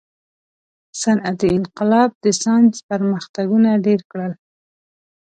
• صنعتي انقلاب د ساینس پرمختګونه ډېر کړل.